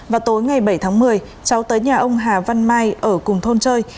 vào tối ngày bảy tháng một mươi cháu tới nhà ông hà văn mai ở cùng thôn chơi